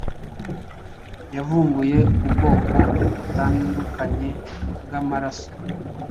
yavumbuye ubwoko butandukanye bw’amaraso